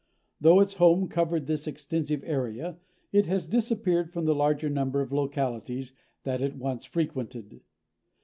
Though its home covered this extensive area, it has disappeared from the larger number of localities that it once frequented.